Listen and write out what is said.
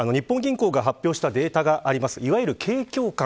日本銀行が発表したデータがあります。